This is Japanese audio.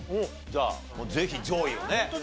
じゃあぜひ上位をね。